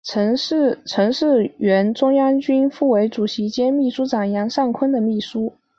曾是原中央军委副主席兼秘书长杨尚昆的秘书。